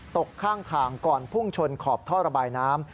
ตกข้างทางก่อนพุ่งชนขอบท่อระบายน้ำ